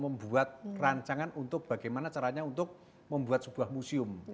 membuat rancangan untuk bagaimana caranya untuk membuat sebuah museum